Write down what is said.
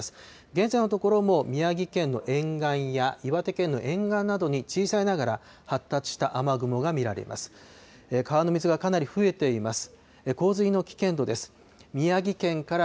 現在のところも宮城県の沿岸や岩手県の沿岸などに、小さいながら発達した雨雲が見られます。